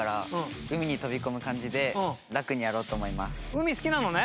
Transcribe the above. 海好きなのね？